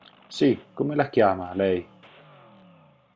Sì, come la chiama, lei?